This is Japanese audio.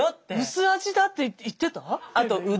薄味だって言ってた？